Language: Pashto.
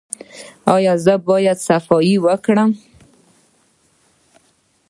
ایا زه باید صفايي وکړم؟